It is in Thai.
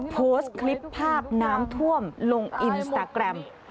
โพสต์คลิปภาพน้ำท่วมลงอินสตาแกรม